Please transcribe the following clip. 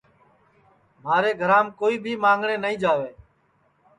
مھارے گھرام کوئی بھی مانگٹؔیں نائی جاوے